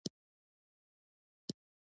کروندګر د حاصل ښه والي لپاره کوښښ کوي